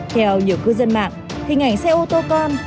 theo nhiều cư dân mạng hình ảnh xe ô tô con